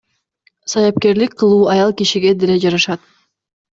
Саяпкерлик кылуу аял кишиге деле жарашат